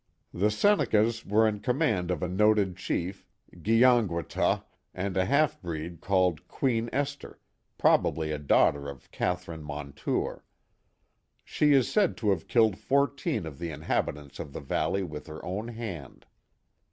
The Senecas were in command of a noted chief, Gi on g\vah tuh, and a haU>breed called Queen Esther, probably a daughter of Catherine Mon tour. She is said to have killed fourteen of the inhabitants of the valley with her own hand.